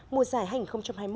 mùa giải hành hai mươi một